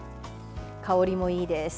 香りもいいです。